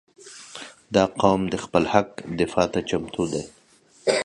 • دا قوم د خپل حق دفاع ته چمتو دی.